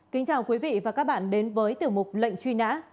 kính chào quý vị và các bạn đến với tiểu mục lệnh truy nã